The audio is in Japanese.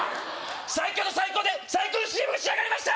最強と最高で最高のＣＭに仕上がりました！